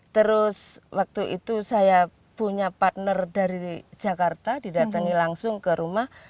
terus waktu itu saya punya partner dari jakarta didatangi langsung ke rumah